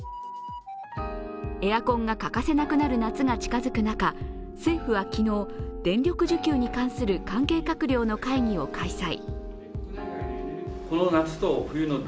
エアコンが欠かせなくなる夏が近づく中政府は昨日、電力需給に関する関係閣僚の会議を開催。